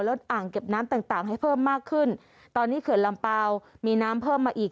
อ่างเก็บน้ำต่างต่างให้เพิ่มมากขึ้นตอนนี้เขื่อนลำเปล่ามีน้ำเพิ่มมาอีก